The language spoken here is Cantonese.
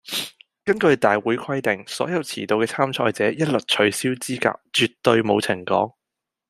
根據大會規定，所有遲到嘅參賽者，一律取消資格，絕對冇情講